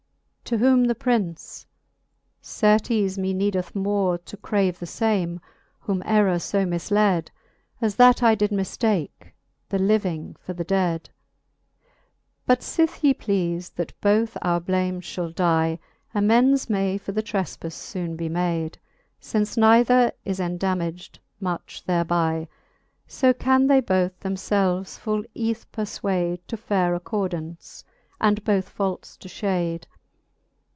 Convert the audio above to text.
To whom the Prince ; Certes me needeth more To crave the fame, whom errour fo mifled ', As that I did miftake the living for the ded. XIV. But fith ye pleafe, that both our blames fhall die. Amends may for the trefpafle foon be made, Since neither is endamadg'd much thereby. So can they both them felves full eath perfvvade To faire accordaunce, and both faults to fhade.